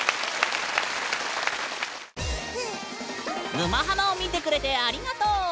「沼ハマ」を見てくれてありがとう！